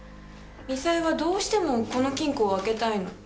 ミサエはどうしてもこの金庫を開けたいの。